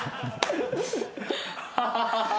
ハハハハ！